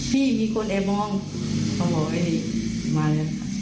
มีคนแอบมองเขาบอกไอ้นี่มาแล้ว